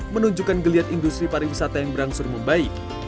menunjukkan geliat industri pariwisata yang berangsur membaik